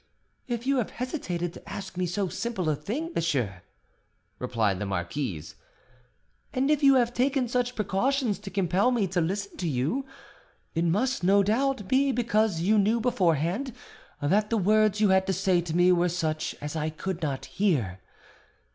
"If you have hesitated to ask me so simple a thing, monsieur," replied the marquise, "and if you have taken such precautions to compel me to listen to you, it must, no doubt, be because you knew beforehand that the words you had to say to me were such as I could not hear.